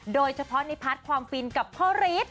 โดยเฉพาะในพัดความฟินกับพ่อฤทธิ์